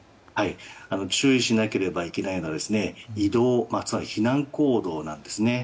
注意しなければいけないのは、移動つまり避難行動なんですね。